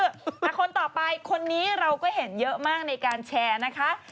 มาคนต่อไปคนนี้เราก็เห็นเยอะมากในการแชร์นะคะ